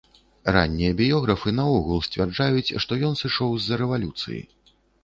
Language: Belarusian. Раннія біёграфы наогул сцвярджаюць, што ён сышоў з-за рэвалюцыі.